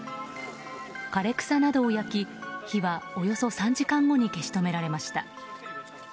枯れ草などを焼き火はおよそ３時間後に消し止められました。